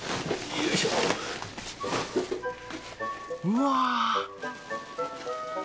うわ！